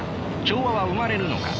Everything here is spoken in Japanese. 調和は生まれるのか。